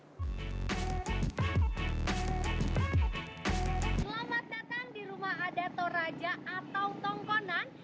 selamat datang di rumah adat toraja atau tongkonan